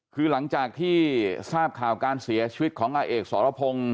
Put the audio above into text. คือหลังจากที่ทราบข่าวการเสียชีวิตของอาเอกสรพงศ์